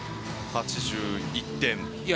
８１点と。